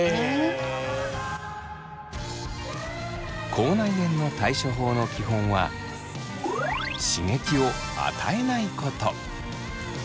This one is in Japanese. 口内炎の対処法の基本は刺激を与えないこと。